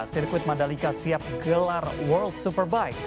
sirkuit mandalika siap gelar world superbike